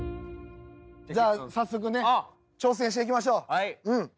じゃあ早速挑戦して行きましょう。